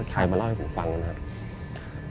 ใครมาเล่าให้ผมฟังนะครับ